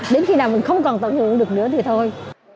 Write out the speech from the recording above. đến khi nào mình không còn tận hưởng được nữa thì thôi